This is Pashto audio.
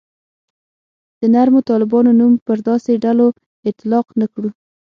د نرمو طالبانو نوم پر داسې ډلو اطلاق نه کړو.